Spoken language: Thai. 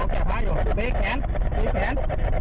โอเคโอเคเผ่น